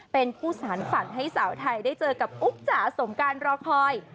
เป็นผู้สารฝันให้สาวไทยได้เจอกับอุ๊กจ๋าสมการรอคอย